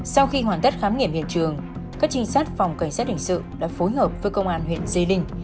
sau khi hoàn tất khám nghiệm hiện trường các trinh sát phòng cảnh sát hình sự đã phối hợp với công an huyện dê linh